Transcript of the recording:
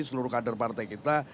seluruh kader partai kita